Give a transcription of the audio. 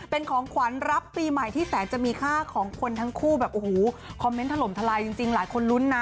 เป็นของขวัญรับปีใหม่ที่แสนจะมีค่าของคนทั้งคู่แบบโอ้โหคอมเมนต์ถล่มทลายจริงหลายคนลุ้นนะ